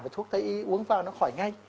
và thuốc thấy uống vào nó khỏi ngay